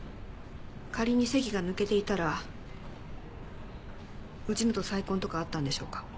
仮に籍が抜けていたらうちのと再婚とかあったんでしょうか？